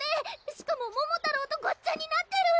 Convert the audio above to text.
しかも桃太郎とごっちゃになってる！